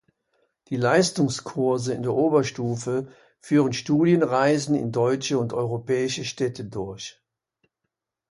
Die Leistungskurse in der Oberstufe führen Studienreisen in deutsche und europäische Städte durch.